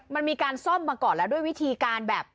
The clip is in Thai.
มันมีการซ่อมมาก่อนแล้วด้วยวิธีการแบบ